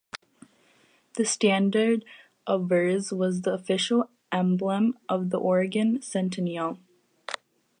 The standard obverse was the official emblem of the Oregon Centennial.